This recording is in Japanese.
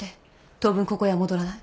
当分ここへは戻らない。